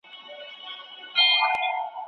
تیاري رخصتوم دي رباتونه رڼاکیږي